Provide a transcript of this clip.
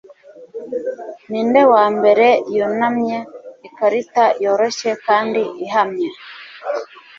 Ninde wambere yunamye ikarita yoroshye kandi ihamye